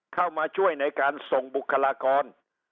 เข้ามาช่วยในการส่งบุคลากร